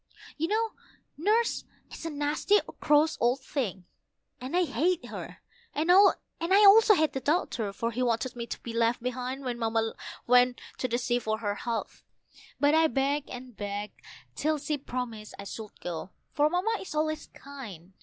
But Nurse is a nasty cross old thing I hate her; and I hate the doctor, for he wanted me to be left behind When Mamma went to the sea for her health; but I begged and begged till she promised I should go, for Mamma is always kind.